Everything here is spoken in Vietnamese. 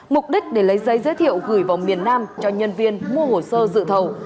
mục đích để lấy giấy giới thiệu gửi vào miền nam cho nhân viên mua hồ sơ dự thầu